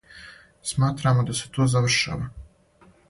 Сматрамо да се ту завршава.